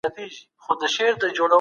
کلسیم د هډوکو روغتیا لپاره مهم دی.